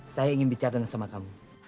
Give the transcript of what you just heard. saya ingin bicara sama kamu